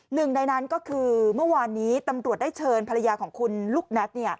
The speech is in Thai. หนึ่งในนั้นก็คือเมื่อวานนี้ตำรวจได้เชิญภรรยาของคุณลูกแน็ต